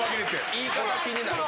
言い方気になるぞ。